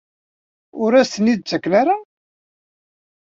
Ur as-ten-id-ttaken ara?